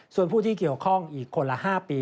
ส่วนผู้ที่เกี่ยวข้องอีกคนละ๕ปี